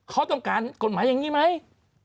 เขาต้องการกฎหมายอย่างนี้ไหม